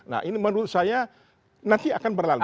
nah ini menurut saya nanti akan berlalu